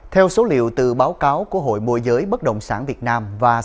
theo số liệu từ báo cáo của hội môi giới bất động sản việt nam